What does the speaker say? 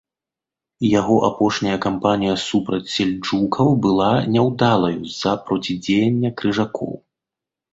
Яго апошняя кампанія супраць сельджукаў была няўдалаю з-за процідзеянні крыжакоў.